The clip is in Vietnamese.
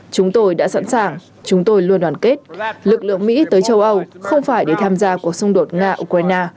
chúng tôi đã sẵn sàng chúng tôi luôn đoàn kết lực lượng mỹ tới châu âu không phải để tham gia cuộc xung đột nga ukraine